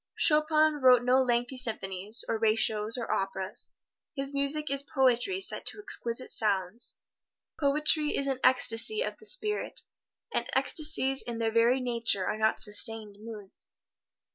Chopin wrote no lengthy symphonies, oratorios or operas. His music is poetry set to exquisite sounds. Poetry is an ecstasy of the spirit, and ecstasies in their very nature are not sustained moods.